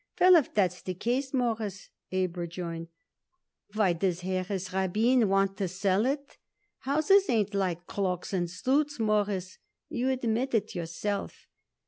"Well, if that's the case, Mawruss," Abe rejoined, "why does Harris Rabin want to sell it? Houses ain't like cloaks and suits, Mawruss, you admit it yourself.